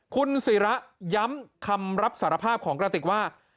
คุณศิระย้ำคำรับสารภาพของกระติกว่า